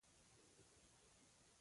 هغې راته لاره خلاصه کړه.